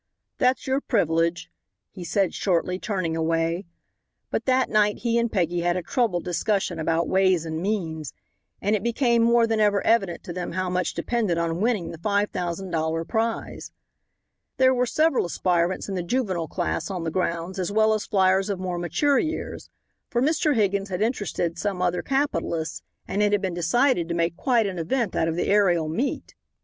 "That's your privilege," he said shortly, turning away, but that night he and Peggy had a troubled discussion about ways and means, and it became more than ever evident to them how much depended on winning the five thousand dollar prize. There were several aspirants in the juvenile class on the grounds as well as fliers of more mature years, for Mr. Higgins had interested some other capitalists, and it had been decided to make quite an event out of the aerial meet.